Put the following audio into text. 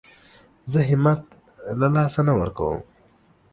زه همت له لاسه نه ورکوم.